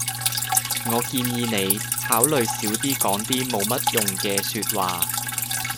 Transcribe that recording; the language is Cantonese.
我建議你考慮少啲講啲冇乜用嘅說話